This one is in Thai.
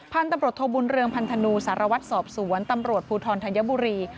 พันธุ์ตำรวจโทบุญเรืองพันธนูสารวัตรสอบสวนตำรวจภูทรธัญบุรี